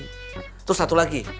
terus satu lagi